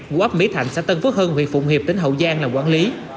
của ấp mỹ thạnh xã tân phước hưng huyện phụng hiệp tỉnh hậu giang làm quản lý